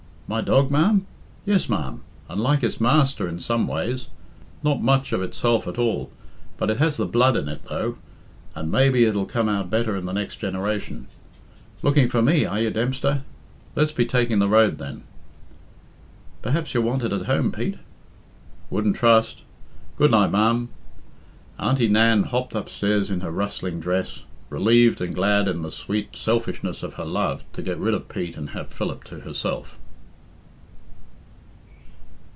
"My dog, ma'am? Yes, ma'am, and like its master in some ways. Not much of itself at all, but it has the blood in it, though, and maybe it'll come out better in the next generation. Looking for me, are you, Dempster? Let's be taking the road, then." "Perhaps you're wanted at home, Pete?" "Wouldn't trust. Good night, ma'am." Auntie Nan hopped upstairs in her rustling dress, relieved and glad in the sweet selfishness of her love to get rid of Pete and have Philip to herself.